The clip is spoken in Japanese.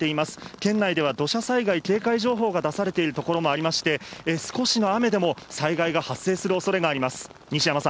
県内では土砂災害警戒情報が出されている所もありまして、少しの雨でも災害が発生するおそれがあります。